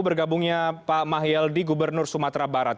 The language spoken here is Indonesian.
bergabungnya pak mahyaldi gubernur sumatera barat